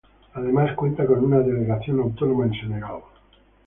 Además cuenta con una delegación autónoma en Senegal.